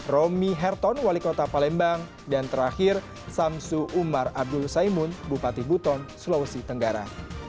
romi herton wali kota palembang dan terakhir samsu umar abdul saimun bupati buton sulawesi tenggara